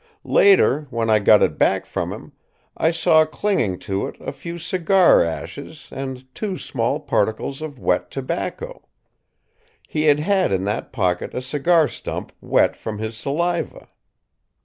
"Later, when I got it back from him, I saw clinging to it a few cigar ashes and two small particles of wet tobacco. He had had in that pocket a cigar stump wet from his saliva.